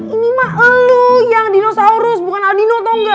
ini mah elu yang dinosaurus bukan adino tau gak